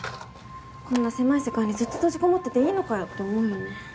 こんな狭い世界にずっと閉じ籠もってていいのかよって思うよね。